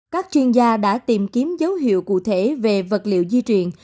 các chuyên gia đã tìm kiếm dấu hiệu cụ thể về vật liệu di chuyển